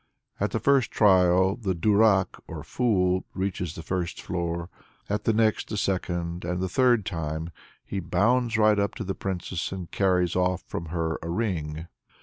At the first trial, the Durak, or Fool, reaches the first floor, at the next, the second; and the third time, "he bounds right up to the princess, and carries off from her a ring."